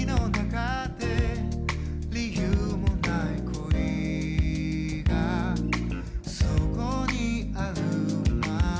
「理由もない恋がそこにあるまま」